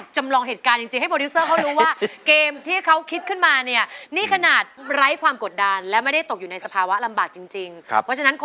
๔จุดครับ๔จุด